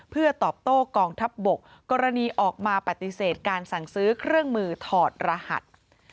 เพื่อตอบโต้กองทัพบกกรณีออกมาปฏิเสธการสั่งซื้อเครื่องมือถอดรหัส